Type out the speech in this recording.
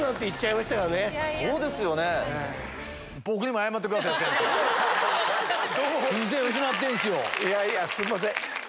いやいやすいません。